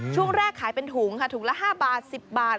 ช่วงแรกขายเป็นถุงค่ะถุงละ๕บาท๑๐บาท